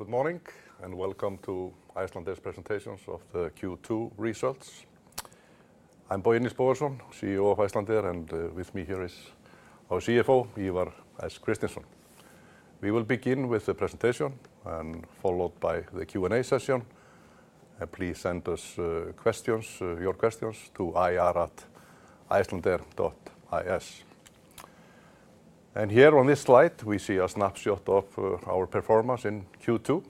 Good morning and welcome to Icelandair's presentations of the Q2 results. I'm Bogi Nils Bogason, CEO of Icelandair, and with me here is our CFO, Ívar S. Kristinsson. We will begin with the presentation and follow up by the Q&A session. Please send us your questions to ir@icelandair.is. Here on this slide, we see a snapshot of our performance in Q2.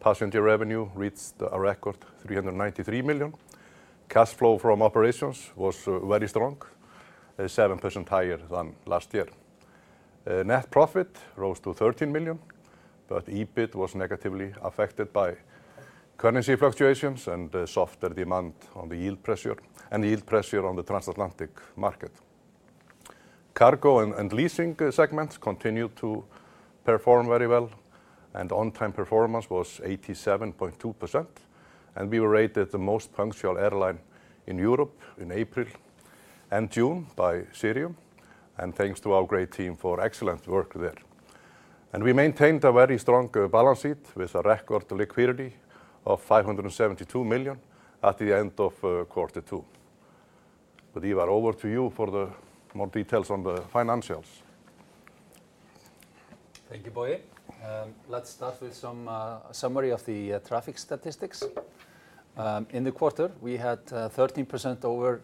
Passenger revenue reached a record $393 million. Cash flow from operations was very strong, 7% higher than last year. Net profit rose to $13 million, while EBIT was negatively affected by currency fluctuations and softer demand with yield pressure on the transatlantic market. Cargo and leasing segments continued to perform very well, and on-time performance was 87.2%. We were rated the most punctual airline in Europe in April and June by Cirium, and thanks to our great team for excellent work there. We maintained a very strong balance sheet with a record liquidity of $572 million at the end of quarter two. Ívar, over to you for more details on the financials. Thank you, Bogi. Let's start with some summary of the traffic statistics. In the quarter, we had a 13%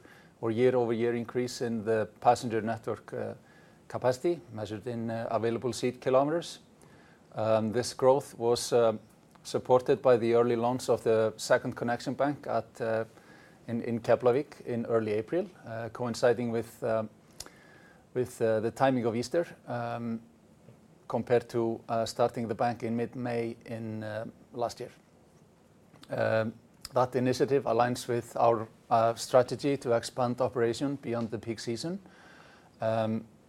year-over-year increase in the passenger network capacity, measured in available seat kilometers. This growth was supported by the early launch of the second connection bank in Keflavík in early April, coinciding with the timing of Easter compared to starting the bank in mid-May last year. That initiative aligns with our strategy to expand operation beyond the peak season,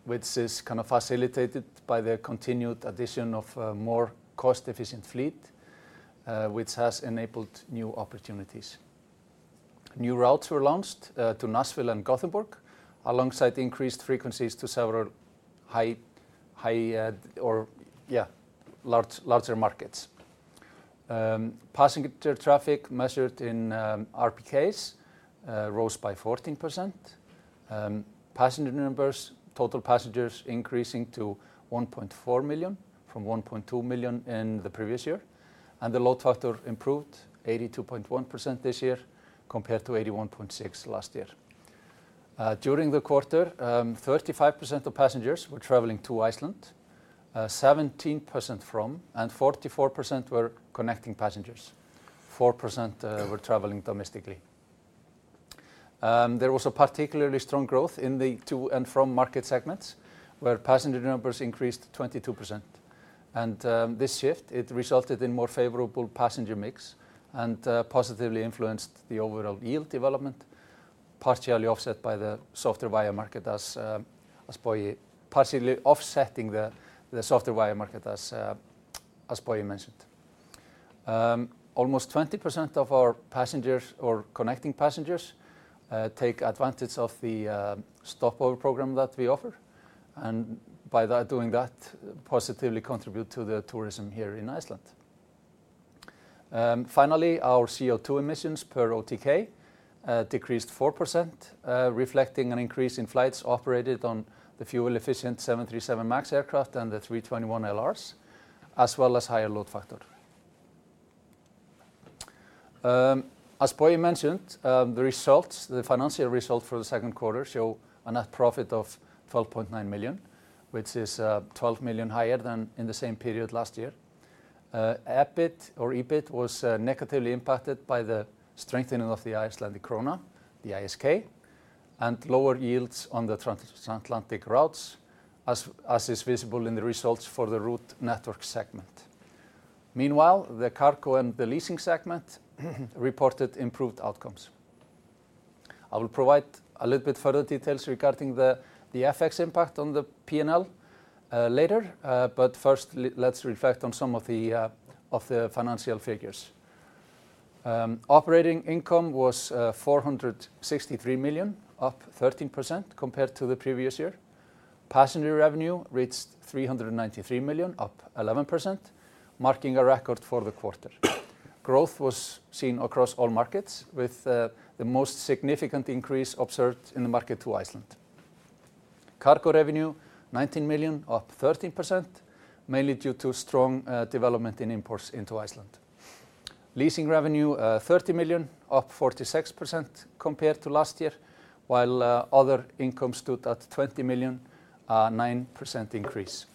which is kind of facilitated by the continued addition of a more cost-efficient fleet, which has enabled new opportunities. New routes were launched to Nashville and Gothenburg, alongside increased frequencies to several high or larger markets. Passenger traffic measured in RPKs rose by 14%. Passenger numbers, total passengers increasing to 1.4 million from 1.2 million in the previous year, and the load factor improved 82.1% this year compared to 81.6% last year. During the quarter, 35% of passengers were traveling to Iceland, 17% from, and 44% were connecting passengers. 4% were traveling domestically. There was a particularly strong growth in the to and from market segments, where passenger numbers increased 22%. This shift resulted in a more favorable passenger mix and positively influenced the overall yield development, partially offset by the transatlantic market, as Bogi mentioned. Almost 20% of our passengers or connecting passengers take advantage of the stopover program that we offer, and by doing that, positively contribute to the tourism here in Iceland. Finally, our CO2 emissions per OTK decreased 4%, reflecting an increase in flights operated on the fuel-efficient 737 MAX aircraft and the 321LRs, as well as a higher load factor. As Bogi mentioned, the financial results for the second quarter show a net profit of $12.9 million, which is $12 million higher than in the same period last year. EBIT was negatively impacted by the strengthening of the Icelandic króna, the ISK, and lower yields on the transatlantic routes, as is visible in the results for the route network segment. Meanwhile, the cargo and the leasing segment reported improved outcomes. I will provide a little bit further details regarding the FX impact on the P&L later, but first, let's reflect on some of the financial figures. Operating income was $463 million, up 13% compared to the previous year. Passenger revenue reached $393 million, up 11%, marking a record for the quarter. Growth was seen across all markets, with the most significant increase observed in the market to Iceland. Cargo revenue, $19 million, up 13%, mainly due to strong development in imports into Iceland. Leasing revenue, $30 million, up 46% compared to last year, while other income stood at $20 million, a 9% increase.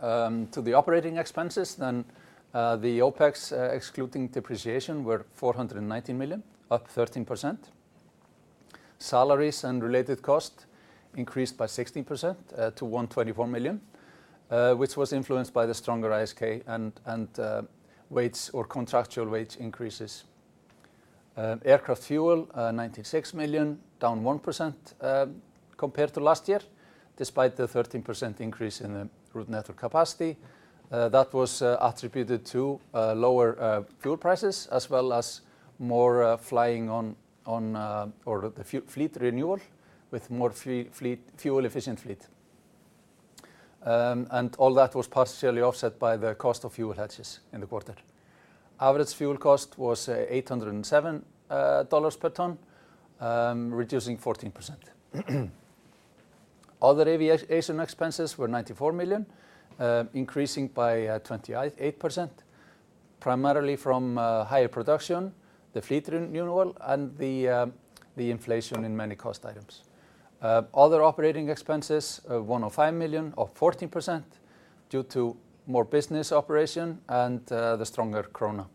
For the operating expenses, the OpEx excluding depreciation were $419 million, up 13%. Salaries and related costs increased by 16% to $124 million, which was influenced by the stronger ISK and contractual wage increases. Aircraft fuel, $96 million, down 1% compared to last year, despite the 13% increase in the route network capacity. That was attributed to lower fuel prices, as well as more flying on or the fleet renewal with more fuel-efficient fleet. All that was partially offset by the cost of fuel hedges in the quarter. Average fuel cost was $807 per ton, reducing 14%. Other aviation expenses were $94 million, increasing by 28%, primarily from higher production, the fleet renewal, and the inflation in many cost items. Other operating expenses, $105 million, up 14% due to more business operation and the stronger króna.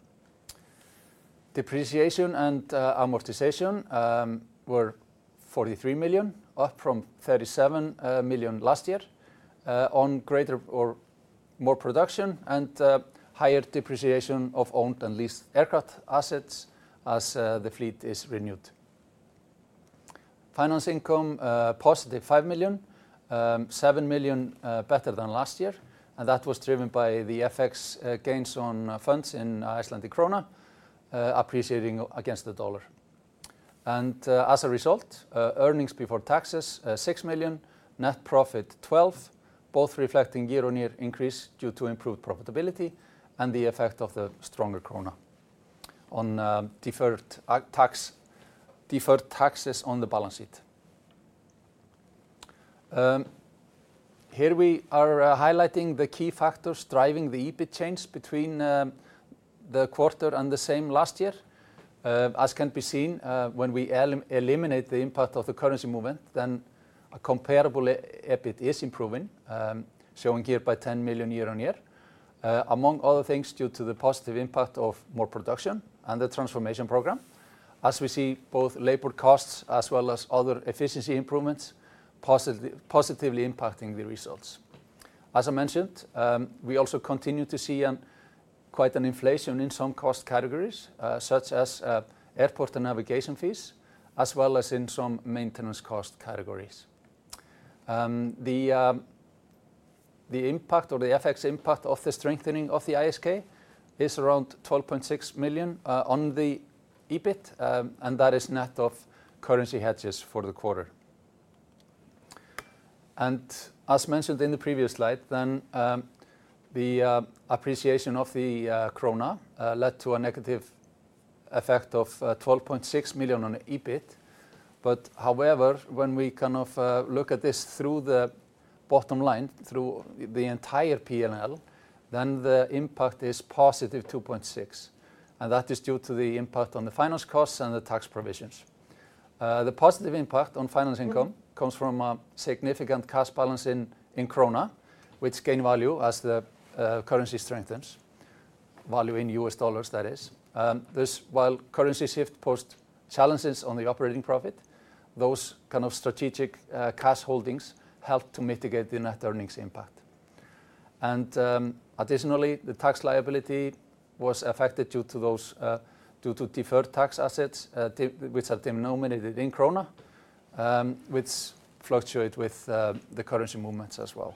Depreciation and amortization were $43 million, up from $37 million last year, on greater or more production and higher depreciation of owned and leased aircraft assets as the fleet is renewed. Finance income, +$5 million, $7 million better than last year, and that was driven by the FX gains on funds in Icelandic króna, appreciating against the dollar. As a result, earnings before taxes, $6 million, net profit $12 million, both reflecting year-on-year increase due to improved profitability and the effect of the stronger króna on deferred taxes on the balance sheet. Here we are highlighting the key factors driving the EBIT change between the quarter and the same last year. As can be seen, when we eliminate the impact of the currency movement, then a comparable EBIT is improving, showing here by $10 million year-on-year, among other things due to the positive impact of more production and the transformation program. As we see, both labor costs as well as other efficiency improvements positively impacting the results. As I mentioned, we also continue to see quite an inflation in some cost categories, such as airport and navigation fees, as well as in some maintenance cost categories. The impact or the FX impact of the strengthening of the ISK is around $12.6 million on the EBIT, and that is net of currency hedges for the quarter. As mentioned in the previous slide, the appreciation of the króna led to a negative effect of $12.6 million on the EBIT. However, when we kind of look at this through the bottom line, through the entire P&L, the impact is +$2.6 million, and that is due to the impact on the finance costs and the tax provisions. The positive impact on finance income comes from a significant cash balance in króna, which gained value as the currency strengthens, value in U.S. dollars, that is. While currency shift posed challenges on the operating profit, those kind of strategic cash holdings helped to mitigate the net earnings impact. Additionally, the tax liability was affected due to deferred tax assets, which are denominated in króna, which fluctuate with the currency movements as well.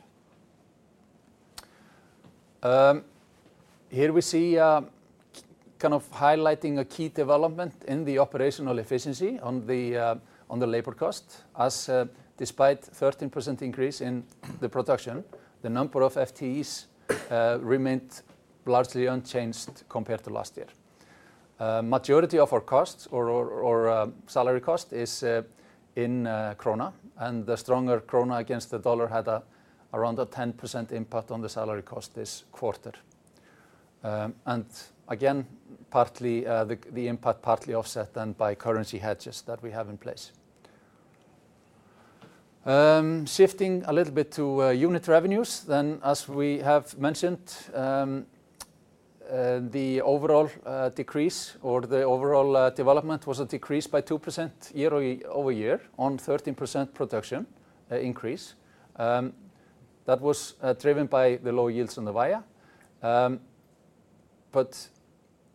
Here we see kind of highlighting a key development in the operational efficiency on the labor cost. As despite a 13% increase in the production, the number of FTEs remained largely unchanged compared to last year. The majority of our costs or salary cost is in króna, and the stronger króna against the dollar had around a 10% impact on the salary cost this quarter. Again, the impact partly offset by currency hedges that we have in place. Shifting a little bit to unit revenues, as we have mentioned, the overall decrease or the overall development was a decrease by 2% year-over-year on 13% production increase. That was driven by the low yields on the transatlantic market.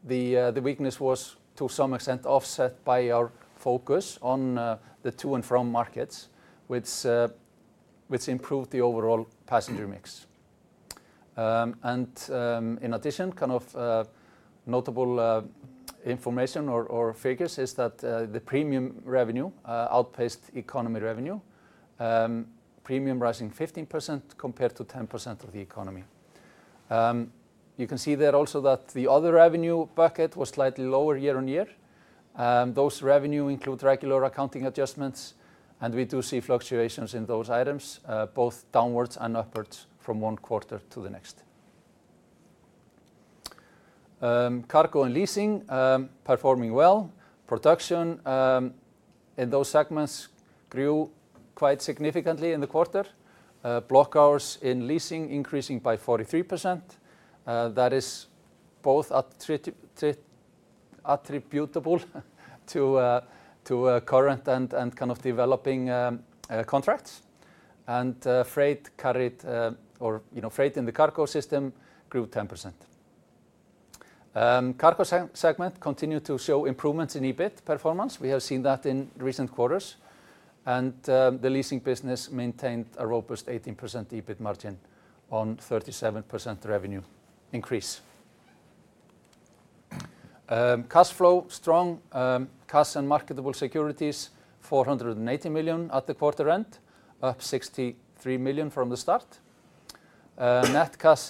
The weakness was to some extent offset by our focus on the to and from markets, which improved the overall passenger mix. In addition, kind of notable information or figures is that the premium revenue outpaced economy revenue, premium rising 15% compared to 10% of the economy. You can see there also that the other revenue bucket was slightly lower year-on-year. Those revenues include regular accounting adjustments, and we do see fluctuations in those items, both downwards and upwards from one quarter to the next. Cargo and leasing performing well. Production in those segments grew quite significantly in the quarter. Block hours in leasing increasing by 43%. That is both attributable to current and kind of developing contracts. Freight carried or freight in the cargo system grew 10%. Cargo segment continued to show improvements in EBIT performance. We have seen that in recent quarters. The leasing business maintained a robust 18% EBIT margin on a 37% revenue increase. Cash flow strong. Cash and marketable securities $480 million at the quarter end, up $63 million from the start. Net cash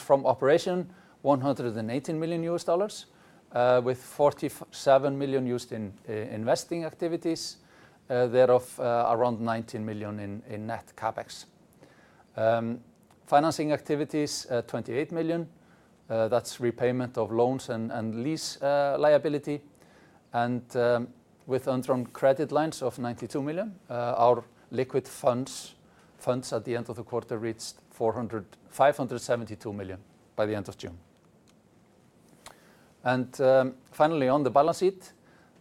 from operation $118 million, with $47 million used in investing activities, thereof around $19 million in net CapEx. Financing activities $28 million. That is repayment of loans and lease liability. With on-trunk credit lines of $92 million, our liquid funds at the end of the quarter reached $572 million by the end of June. Finally, on the balance sheet,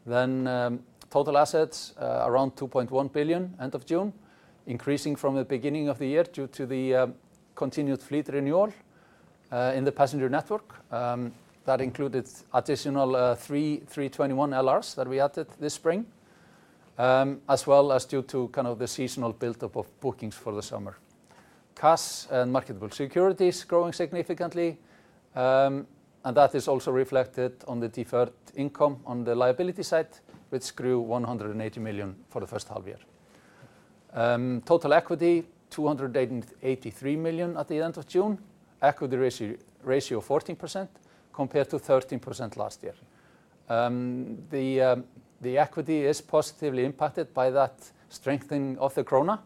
total assets around $2.1 billion end of June, increasing from the beginning of the year due to the continued fleet renewal in the passenger network. That included additional 321LRs that we added this spring, as well as due to the seasonal build-up of bookings for the summer. Cash and marketable securities growing significantly. That is also reflected on the deferred income on the liability side, which grew $180 million for the first half year. Total equity $283 million at the end of June. Equity ratio 14% compared to 13% last year. The equity is positively impacted by that strengthening of the króna.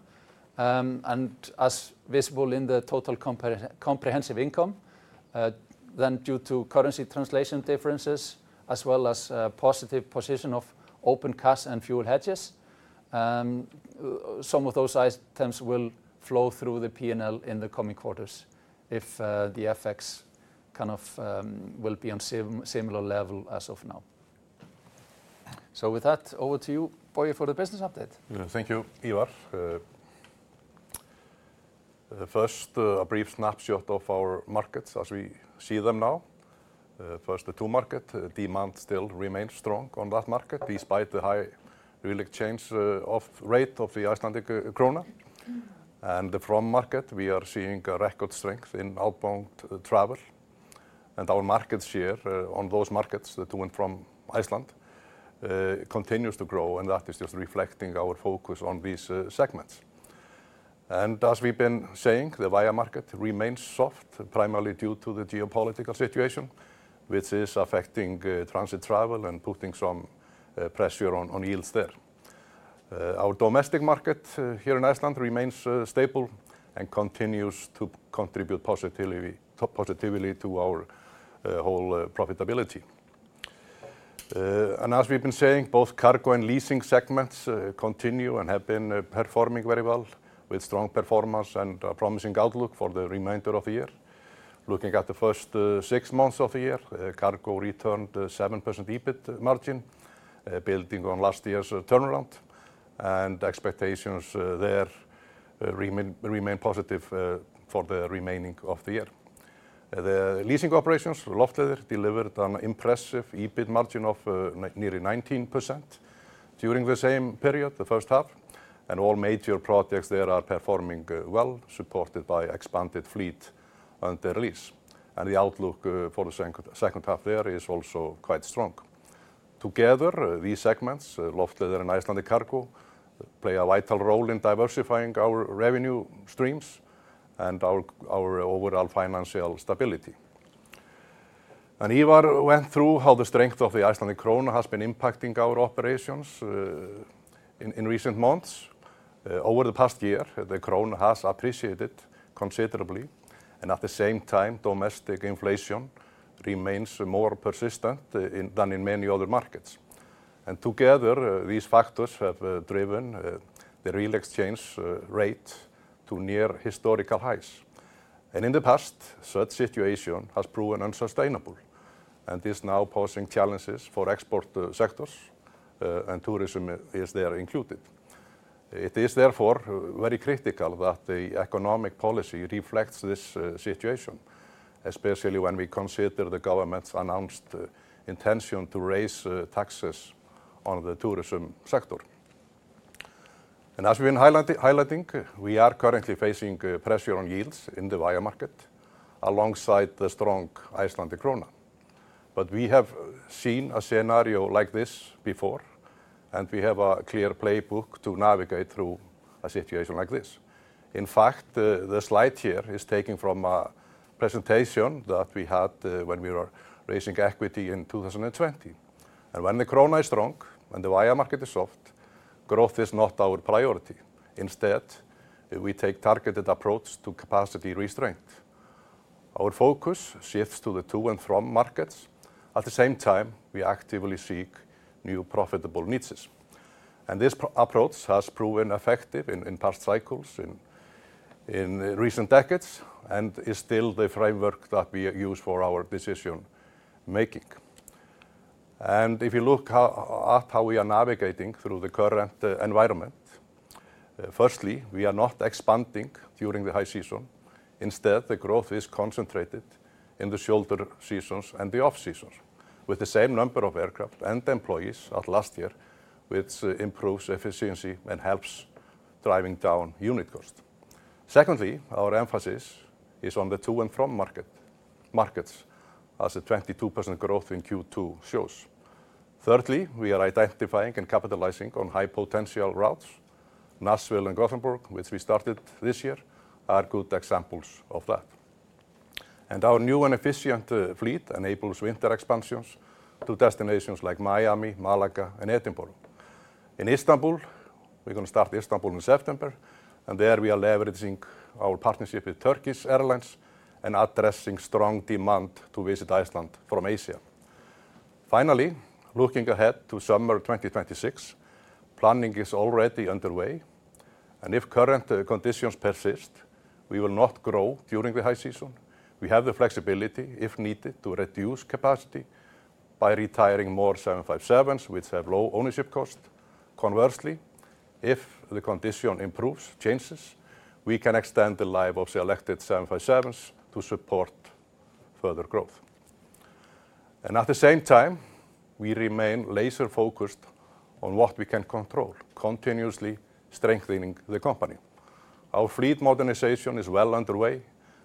As visible in the total comprehensive income, due to currency translation differences, as well as positive position of open cash and fuel hedges, some of those items will flow through the P&L in the coming quarters if the FX will be on a similar level as of now. With that, over to you, Bogi, for the business update. Thank you, Ívar. First, a brief snapshot of our markets as we see them now. First, the to market demand still remains strong on that market, despite the high real exchange rate of the Icelandic króna. From market, we are seeing a record strength in outbound travel. Our market share on those markets, the to and from Iceland, continues to grow, and that is just reflecting our focus on these segments. As we've been saying, the transatlantic market remains soft, primarily due to the geopolitical situation, which is affecting transit travel and putting some pressure on yields there. Our domestic market here in Iceland remains stable and continues to contribute positively to our whole profitability. As we've been saying, both cargo and leasing segments continue and have been performing very well, with strong performance and a promising outlook for the remainder of the year. Looking at the first six months of the year, cargo returned a 7% EBIT margin, building on last year's turnaround, and expectations there remain positive for the remainder of the year. The leasing operations Loftleiðir delivered an impressive EBIT margin of nearly 19% during the same period, the first half. All major projects there are performing well, supported by expanded fleet and their lease. The outlook for the second half there is also quite strong. Together, these segments, Loftleiðir and Icelandair Cargo, play a vital role in diversifying our revenue streams and our overall financial stability. Ívar went through how the strength of the Icelandic króna has been impacting our operations in recent months. Over the past year, the króna has appreciated considerably. At the same time, domestic inflation remains more persistent than in many other markets. Together, these factors have driven the real exchange rate to near historical highs. In the past, such situation has proven unsustainable and is now posing challenges for export sectors, and tourism is there included. It is therefore very critical that the economic policy reflects this situation, especially when we consider the government's announced intention to raise taxes on the tourism sector. As we've been highlighting, we are currently facing pressure on yields in the transatlantic market alongside the strong Icelandic króna. We have seen a scenario like this before, and we have a clear playbook to navigate through a situation like this. In fact, the slide here is taken from a presentation that we had when we were raising equity in 2020. When the króna is strong and the transatlantic market is soft, growth is not our priority. Instead, we take a targeted approach to capacity restraint. Our focus shifts to the to and from markets. At the same time, we actively seek new profitable niches. This approach has proven effective in past cycles, in recent decades, and is still the framework that we use for our decision-making. If you look at how we are navigating through the current environment, firstly, we are not expanding during the high season. Instead, the growth is concentrated in the shoulder seasons and the off-seasons, with the same number of aircraft and employees as last year, which improves efficiency and helps driving down unit cost. Secondly, our emphasis is on the to and from markets, as the 22% growth in Q2 shows. Thirdly, we are identifying and capitalizing on high-potential routes. Nashville and Gothenburg, which we started this year, are good examples of that. Our new and efficient fleet enables winter expansions to destinations like Miami, Málaga, and Edinburgh. In Istanbul, we're going to start Istanbul in September, and there we are leveraging our partnership with Turkish Airlines and addressing strong demand to visit Iceland from Asia. Finally, looking ahead to summer 2026, planning is already underway. If current conditions persist, we will not grow during the high season. We have the flexibility, if needed, to reduce capacity by retiring more 757s, which have low ownership costs. Conversely, if the condition improves, changes, we can extend the life of selected 757s to support further growth. At the same time, we remain laser-focused on what we can control, continuously strengthening the company. Our fleet modernization is well underway.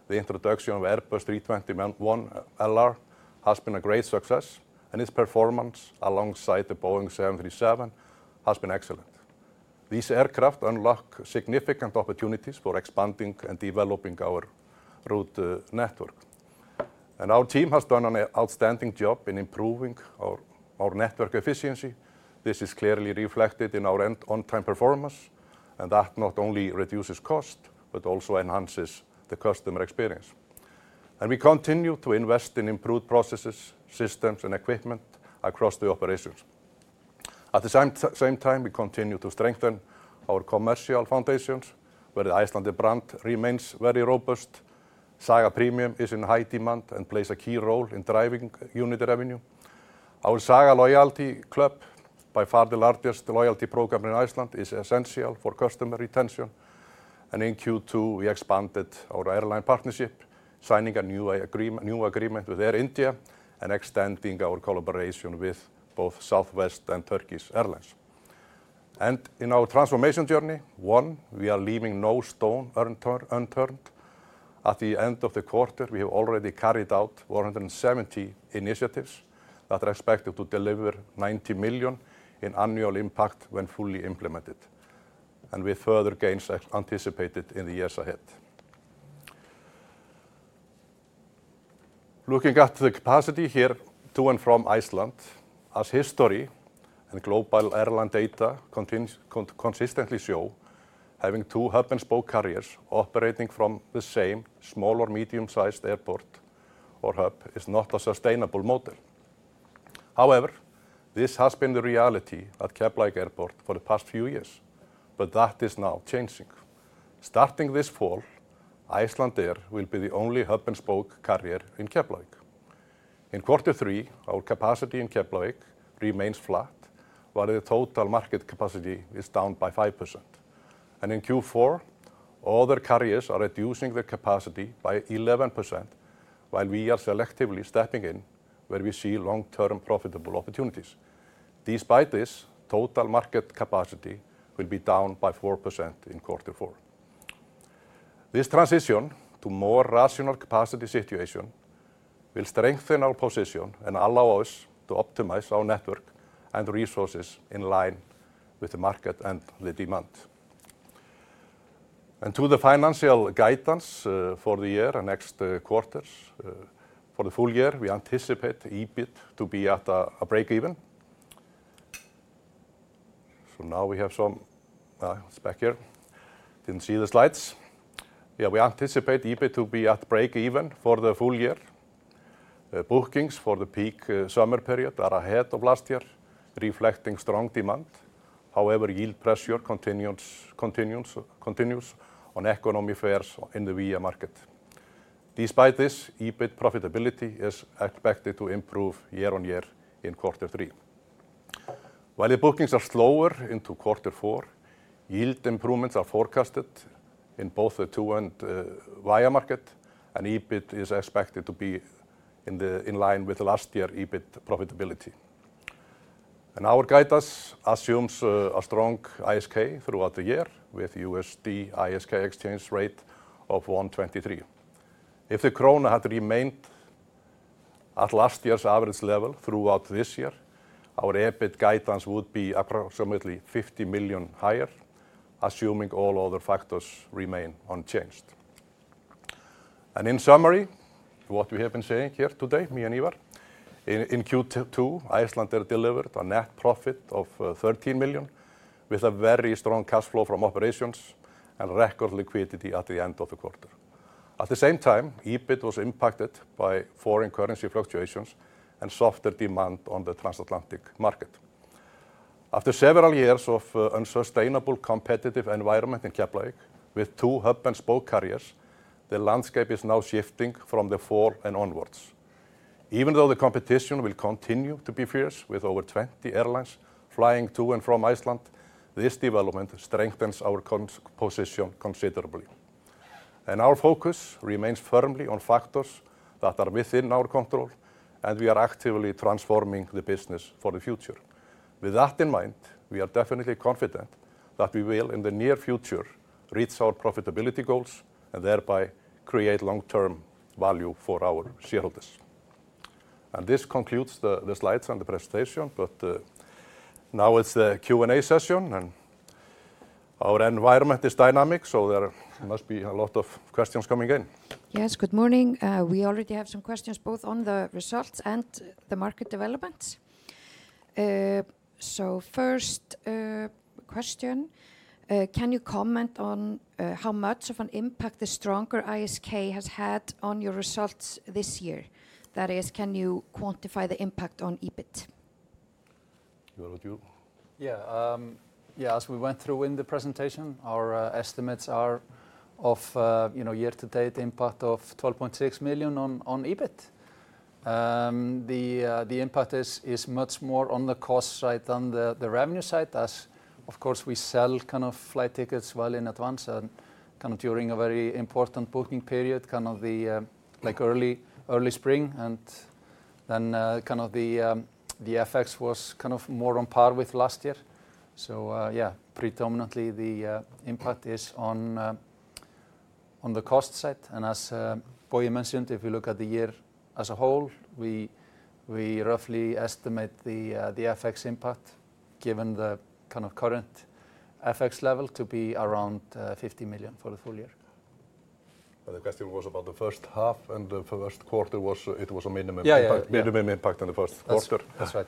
The introduction of Airbus 321LR has been a great success, and its performance alongside the Boeing 737 has been excellent. These aircraft unlock significant opportunities for expanding and developing our route network. Our team has done an outstanding job in improving our network efficiency. This is clearly reflected in our end on-time performance, and that not only reduces cost, but also enhances the customer experience. We continue to invest in improved processes, systems, and equipment across the operations. At the same time, we continue to strengthen our commercial foundations, where the Icelandair brand remains very robust. Saga Premium is in high demand and plays a key role in driving unit revenue. Our Saga Loyalty Club, by far the largest loyalty program in Iceland, is essential for customer retention. In Q2, we expanded our airline partnership, signing a new agreement with Air India, and extending our collaboration with both Southwest and Turkish Airlines. In our transformation journey, we are leaving no stone unturned. At the end of the quarter, we have already carried out 170 initiatives that are expected to deliver $90 million in annual impact when fully implemented, with further gains anticipated in the years ahead. Looking at the capacity here to and from Iceland, as history and global airline data consistently show, having two hub-and-spoke carriers operating from the same small or medium-sized airport or hub is not a sustainable model. However, this has been the reality at Airport for the past few years, but that is now changing. Starting this fall, Icelandair will be the only hub-and-spoke carrier in Keflavík. In quarter three, our capacity in Keflavík remains flat, while the total market capacity is down by 5%. In Q4, other carriers are reducing their capacity by 11%, while we are selectively stepping in where we see long-term profitable opportunities. Despite this, total market capacity will be down by 4% in quarter four. This transition to a more rational capacity situation will strengthen our position and allow us to optimize our network and resources in line with the market and the demand. To the financial guidance for the year and next quarters, for the full year, we anticipate EBIT to be at break-even. We anticipate EBIT to be at break-even for the full year. Bookings for the peak summer period are ahead of last year, reflecting strong demand. However, yield pressure continues on economy fares in the transatlantic market. Despite this, EBIT profitability is expected to improve year-on-year in quarter three. While the bookings are slower into quarter four, yield improvements are forecasted in both the to and transatlantic market, and EBIT is expected to be in line with last year's EBIT profitability. Our guidance assumes a strong ISK throughout the year, with the USD/ISK exchange rate of 123. If the króna had remained at last year's average level throughout this year, our EBIT guidance would be approximately $50 million higher, assuming all other factors remain unchanged. In summary, what we have been saying here today, me and Ívar, in Q2, Icelandair delivered a net profit of $13 million, with a very strong cash flow from operations and record liquidity at the end of the quarter. At the same time, EBIT was impacted by foreign currency fluctuations and softer demand on the transatlantic market. After several years of an unsustainable competitive environment in Keflavík, with two hub-and-spoke carriers, the landscape is now shifting from the fall and onwards. Even though the competition will continue to be fierce, with over 20 airlines flying to and from Iceland, this development strengthens our position considerably. Our focus remains firmly on factors that are within our control, and we are actively transforming the business for the future. With that in mind, we are definitely confident that we will, in the near future, reach our profitability goals and thereby create long-term value for our shareholders. This concludes the slides and the presentation, but now it's the Q&A session, and our environment is dynamic, so there must be a lot of questions coming in. Yes, good morning. We already have some questions both on the results and the market developments. First question, can you comment on how much of an impact the stronger ISK has had on your results this year? That is, can you quantify the impact on EBIT? Yeah, as we went through in the presentation, our estimates are of year-to-date impact of $12.6 million on EBIT. The impact is much more on the cost side than the revenue side, as of course we sell kind of flight tickets well in advance and during a very important booking period, the early spring, and then the FX was more on par with last year. Predominantly the impact is on the cost side. As Bogi mentioned, if you look at the year as a whole, we roughly estimate the FX impact, given the current FX level, to be around $50 million for the full year. The question was about the first half, and the first quarter was it was a minimum impact on the first quarter. That's right.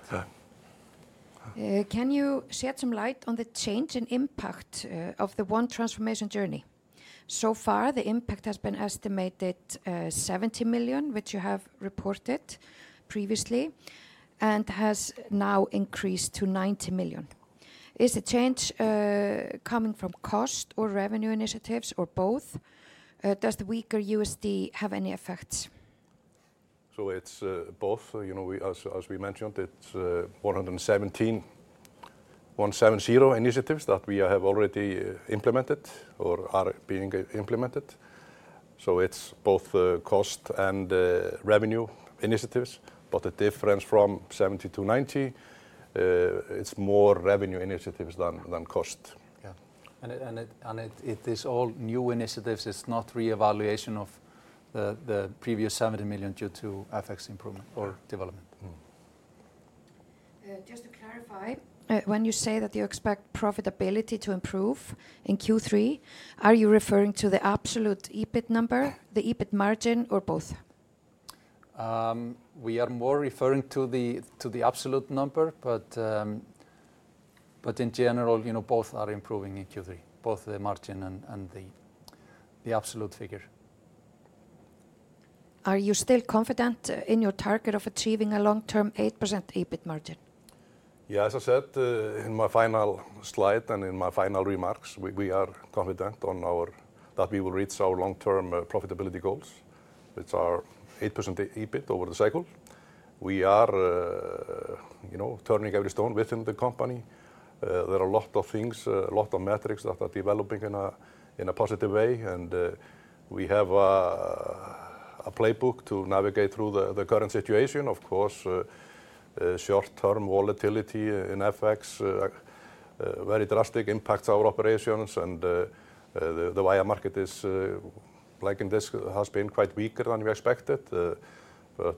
Can you shed some light on the change in impact of the One Transformation Journey? So far, the impact has been estimated at $70 million, which you have reported previously, and has now increased to $90 million. Is the change coming from cost or revenue initiatives or both? Does the weaker USD have any effects? It is both. As we mentioned, it's 170 initiatives that we have already implemented or are being implemented. It is both cost and revenue initiatives, but the difference from $70 million-$90 million is more revenue initiatives than cost. Yeah, it is all new initiatives. It's not reevaluation of the previous $70 million due to FX improvement or development. Just to clarify, when you say that you expect profitability to improve in Q3, are you referring to the absolute EBIT number, the EBIT margin, or both? We are more referring to the absolute number, but in general, you know, both are improving in Q3, both the margin and the absolute figure. Are you still confident in your target of achieving a long-term 8% EBIT margin? Yeah, as I said in my final slide and in my final remarks, we are confident that we will reach our long-term profitability goals, which are 8% EBIT over the cycle. We are turning every stone within the company. There are a lot of things, a lot of metrics that are developing in a positive way, and we have a playbook to navigate through the current situation. Of course, short-term volatility in FX very drastically impacts our operations, and the transatlantic market is, like in this, has been quite weaker than we expected.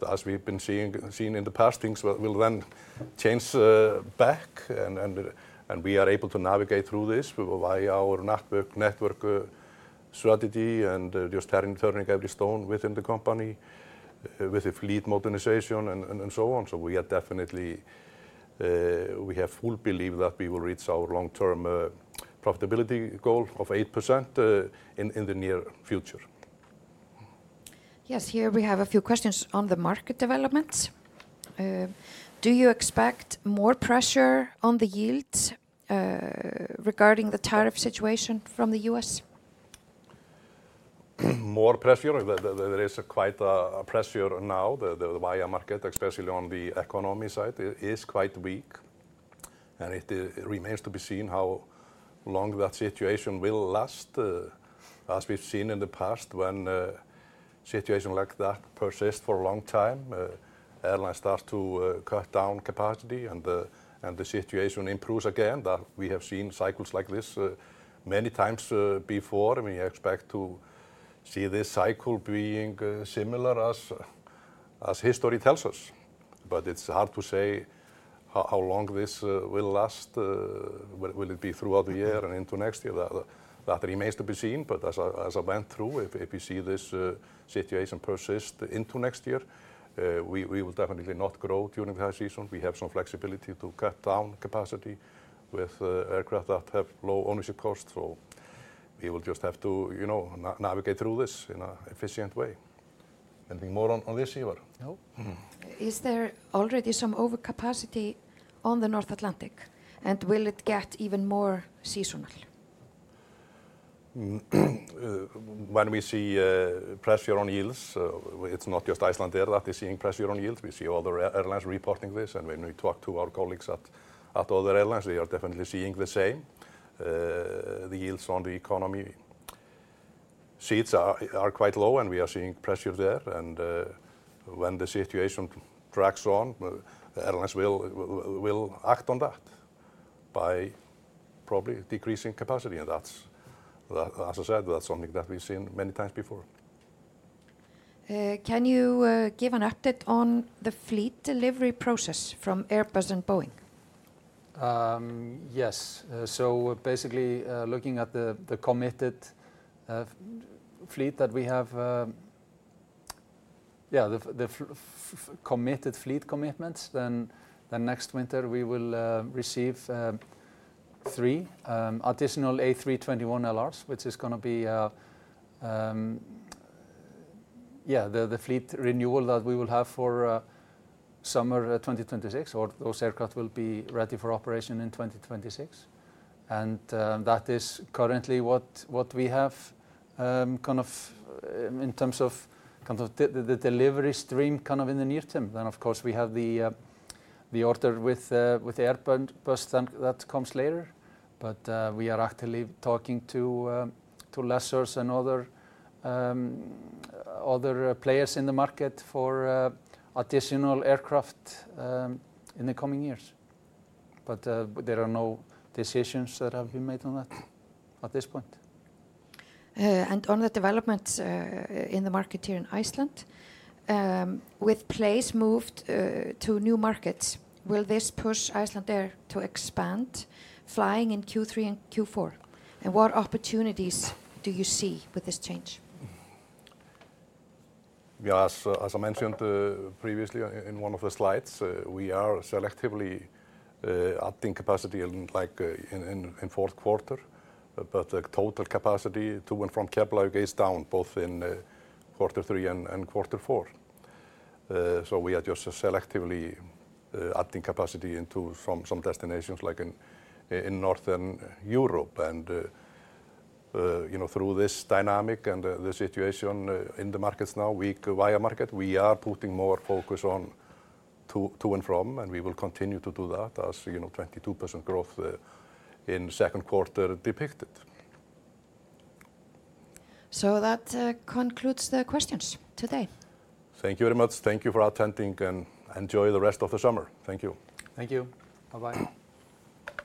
As we've been seeing in the past, things will then change back, and we are able to navigate through this via our network strategy and just turning every stone within the company with fleet modernization and so on. We have definitely, we have full belief that we will reach our long-term profitability goal of 8% in the near future. Yes, here we have a few questions on the market developments. Do you expect more pressure on the yields regarding the tariff situation from the U.S.? More pressure? There is quite a pressure now. The buyer market, especially on the economy side, is quite weak, and it remains to be seen how long that situation will last. As we've seen in the past, when a situation like that persists for a long time, airlines start to cut down capacity, and the situation improves again. We have seen cycles like this many times before. We expect to see this cycle being similar as history tells us. It's hard to say how long this will last. Will it be throughout the year and into next year? That remains to be seen. As I went through, if we see this situation persist into next year, we will definitely not grow during the high season. We have some flexibility to cut down capacity with aircraft that have low ownership costs. We will just have to navigate through this in an efficient way. Anything more on this, Ívar? Is there already some overcapacity on the North Atlantic, and will it get even more seasonal? When we see pressure on yields, it's not just Icelandair that is seeing pressure on yields. We see other airlines reporting this, and when we talk to our colleagues at other airlines, we are definitely seeing the same. The yields on the economy seats are quite low, and we are seeing pressure there. When the situation drags on, airlines will act on that by probably decreasing capacity. That's something that we've seen many times before. Can you give an update on the fleet delivery process from Airbus and Boeing? Yes, so basically looking at the committed fleet that we have, the committed fleet commitments, next winter we will receive three additional A321LRs, which is going to be the fleet renewal that we will have for summer 2026, or those aircraft will be ready for operation in 2026. That is currently what we have in terms of the delivery stream in the near term. Of course, we have the order with Airbus that comes later, but we are actively talking to lessors and other players in the market for additional aircraft in the coming years. There are no decisions that have been made on that at this point. On the development in the market here in Iceland, with PLAY's move to new markets, will this push Icelandair to expand flying in Q3 and Q4? What opportunities do you see with this change? As I mentioned previously in one of the slides, we are selectively adding capacity in the fourth quarter, but the total capacity to and from [Keflavík Glasgow] is down both in quarter three and quarter four. We are just selectively adding capacity into some destinations like in Northern Europe. Through this dynamic and the situation in the markets now, weak transatlantic market, we are putting more focus on to and from, and we will continue to do that as 22% growth in the second quarter depicted. That concludes the questions today. Thank you very much. Thank you for attending, and enjoy the rest of the summer. Thank you. Thank you. Bye-bye.